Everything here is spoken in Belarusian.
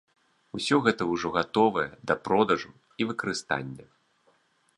Усё гэта ўжо гатовае да продажу і выкарыстання.